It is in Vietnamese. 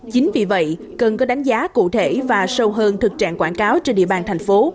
chính vì vậy cần có đánh giá cụ thể và sâu hơn thực trạng quảng cáo trên địa bàn thành phố